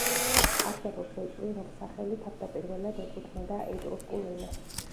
არსებობს ეჭვი, რომ სახელი თავდაპირველად ეკუთვნოდა ეტრუსკულ ენას.